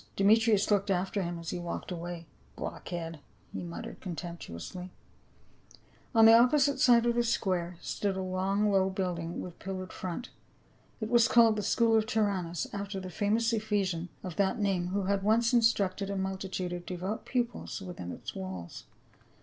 Demetrius looked after him as he walked away. " Blockhead !" he muttered comtemptuously. * Acts xix., 13 17. A BUSINESS MAN OF EFHESUS. 359 On the opposite side of the square stood a long low building with pillared front ; it was called the school of Tyrannus after the famous Ephesian of that name who had once instructed a multitude of devout pupils within its walls.